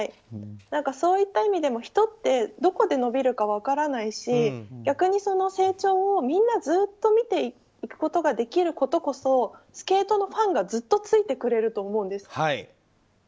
そういった意味でも人ってどこで伸びるか分からないし逆にその成長をみんなずっと見ていくことができることこそスケートのファンがずっとついてくれると思うんです。